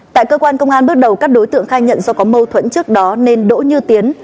tại cơ quan công an bước đầu các đối tượng khai nhận do có mâu thuẫn trước đó nên đỗ như tiến